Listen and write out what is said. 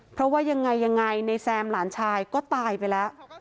เพราะว่ายังไงยังไงในแซมหลานชายก็ตายไปแล้ว